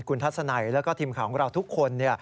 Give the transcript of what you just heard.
คุณทัศนัยแล้วก็ทีมข่าวของเราทุกคน